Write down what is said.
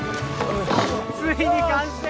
ついに完成